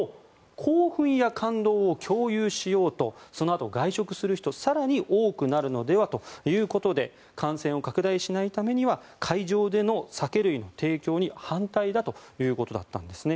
興奮や感動を共有しようとそのあと外食する人は更に多くなるのではということで感染を拡大しないためには会場での酒類の提供に反対だということだったんですね。